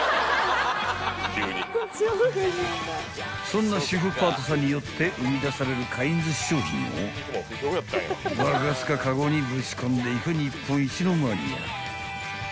［そんな主婦パートさんによって生み出されるカインズ商品をバカスカカゴにぶち込んでいく日本一のマニア］